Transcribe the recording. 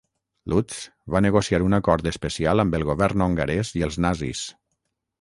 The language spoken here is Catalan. Lutz va negociar un acord especial amb el govern hongarès i els nazis.